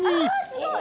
すごい。